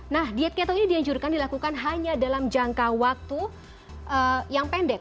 nah diet ketong ini dianjurkan dilakukan hanya dalam jangka waktu yang pendek